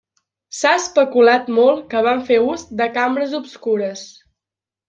S'ha especulat molt que van fer ús de cambres obscures.